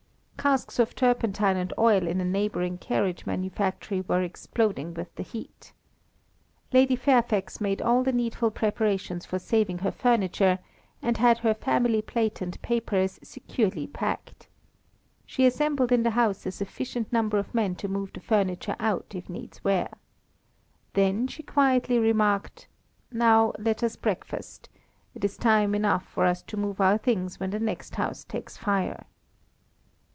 Casks of turpentine and oil in a neighbouring carriage manufactory were exploding with the heat. Lady Fairfax made all the needful preparations for saving her furniture, and had her family plate and papers securely packed. She assembled in the house a sufficient number of men to move the furniture out, if needs were. Then she quietly remarked, "Now let us breakfast; it is time enough for us to move our things when the next house takes fire."